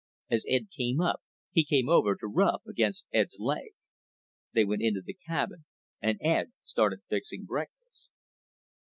As Ed came up, he came over to rub against Ed's leg. They went into the cabin and Ed started fixing breakfast.